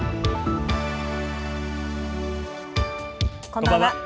こんばんは。